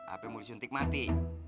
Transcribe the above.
apa yang mau disuntik mati